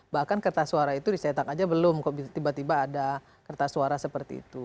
bahkan kertas suara itu disetak aja belum tiba tiba ada kertas suara seperti itu